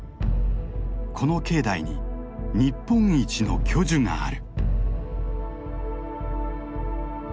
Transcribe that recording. この境内に日本一の巨樹がある。